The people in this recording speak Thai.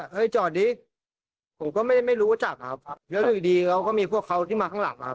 เฮ้ยจอดดิผมก็ไม่ได้ไม่รู้จักครับแล้วอยู่ดีเขาก็มีพวกเขาที่มาข้างหลังครับ